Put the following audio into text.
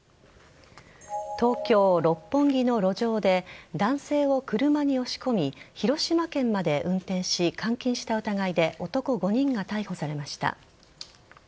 東京・六本木の路上で男性を車に押し込み広島県まで運転し監禁した疑いで男５人が逮捕されました。